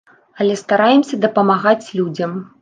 Але стараемся дапамагаць людзям.